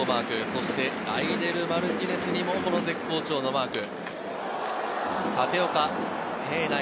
そしてライデル・マルティネスにも絶好調のマーク。